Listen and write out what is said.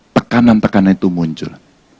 tekanan tekanan itu muncul